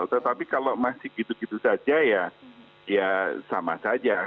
tetapi kalau masih begitu begitu saja ya sama saja